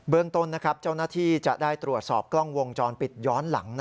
ต้นเจ้าหน้าที่จะได้ตรวจสอบกล้องวงจรปิดย้อนหลัง